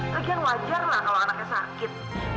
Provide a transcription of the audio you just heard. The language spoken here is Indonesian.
lagi yang wajar lah kalau anaknya sakit